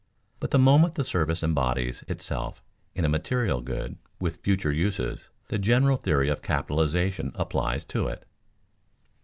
But the moment the service embodies itself in a material good with future uses the general theory of capitalization applies to it.